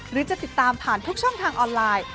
หรือจะติดตามผ่านทุกช่องทางออนไลน์